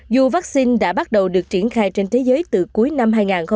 dù vaccine đã bắt đầu được triển khai trên thế giới từ cuối năm hai nghìn hai mươi